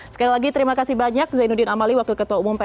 sekali lagi terima kasih banyak zainuddin amali wakil ketua umum p tiga